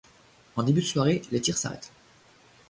En début de soirée, les tirs s'arrêtent.